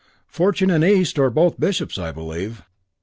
Fortune and East are both bishops, I believe.